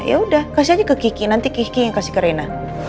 ya udah kasih aja ke kiki nanti kiki yang kasih kerena